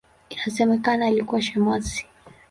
Inasemekana alikuwa shemasi.